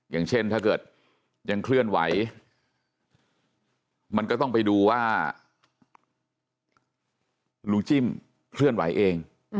อย่างเช่นถ้าเกิดยังเคลื่อนไหวมันก็ต้องไปดูว่าลุงจิ้มเคลื่อนไหวเอง